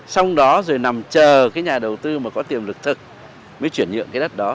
xong đó rồi nằm chờ cái nhà đầu tư mà có tiềm lực thực mới chuyển nhượng cái đất đó